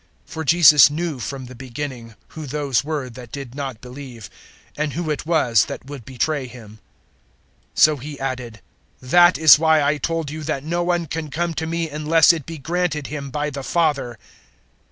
For Jesus knew from the beginning who those were that did not believe, and who it was that would betray Him. 006:065 So He added, "That is why I told you that no one can come to me unless it be granted him by the Father."